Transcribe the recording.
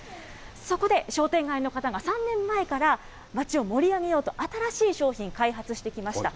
そこで商店街の方が３年前から、街を盛り上げようと、新しい商品、開発してきました。